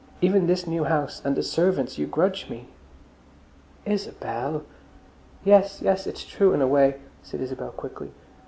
Even this new house and the servants you grudge me." "Isabel!" "Yes, yes, it's true in a way," said Isabel quickly.